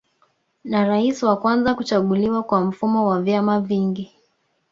Na rais wa kwanza kuchaguliwa kwa mfumo wa vyama vingi